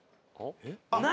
何？